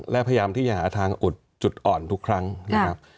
และพยายามที่จะหาทางอุดจุดอ่อนทุกครั้งนะครับ